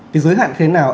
cái giới hạn thế nào